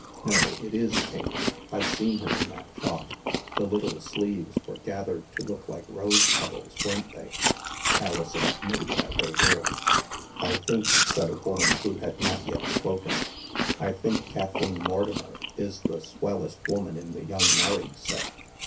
" No, it is pink. I've seen her in that frock. The little sleeves were gathered to look like rose petals, weren't they ?'* Alison admitted that they were. " I think," said a woman who had not yet spoken, " I think Kathleen Mortimer is the swellest woman in the young married set.